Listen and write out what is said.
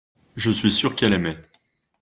Je suis sûr qu’elle aimait.